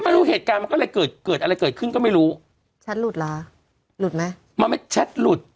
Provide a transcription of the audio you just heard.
ไม่รู้เหตุการณ์มันก็เลยเกิดเกิดอะไรเกิดขึ้นก็ไม่รู้แชทหลุดเหรอหลุดไหมมันไม่แชทหลุด